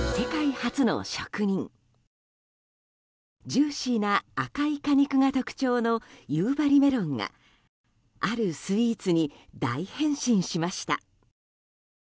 ジューシーな赤い果肉が特徴の夕張メロンがあるスイーツに大変身しました。